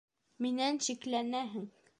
Минән шикләнәһең.